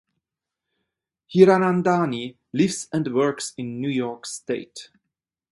Hiranandani lives and works in New York state.